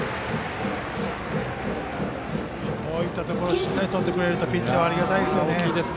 こういったところしっかりとってくれるとピッチャーはありがたいです。